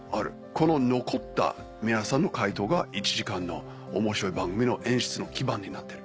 この残った皆さんの回答が１時間の面白い番組の演出の基盤になってる。